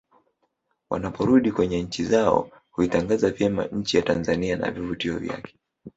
Wanaporudi kwenye nchi zao huitangaza vyema nchi ya Tanzania na vivutio vyake